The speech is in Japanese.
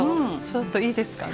ちょっといいですか？